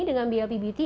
dengan blp beauty